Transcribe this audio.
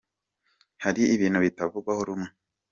Hari ibintu bitavugwaho rumwe.